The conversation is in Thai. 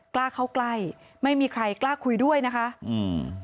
กล้าเข้าใกล้ไม่มีใครกล้าคุยด้วยนะคะอืม